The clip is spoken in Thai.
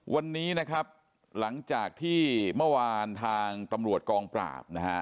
วันนี้นะครับหลังจากที่เมื่อวานทางตำรวจกองปราบนะฮะ